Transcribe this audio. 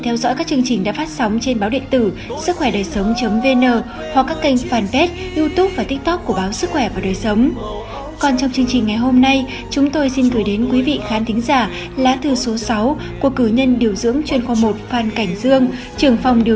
hãy đăng ký kênh để ủng hộ kênh của chúng mình nhé